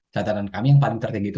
catatan kami yang paling tertinggi itu